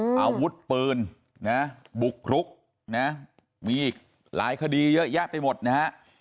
อาวุธปืนนะบุกรุกนะมีอีกหลายคดีเยอะแยะไปหมดนะฮะ